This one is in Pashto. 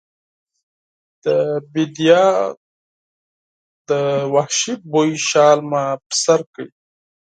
د بیدیا د وحشي بوی شال مې پر سر کړ